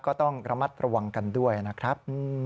ก็ต้องระมัดระวังกันด้วยนะครับ